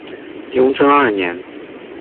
雍正二年。